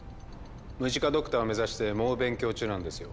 ムジカドクターを目指して猛勉強中なんですよ。